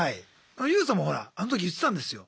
ＹＯＵさんもほらあの時言ってたんですよ。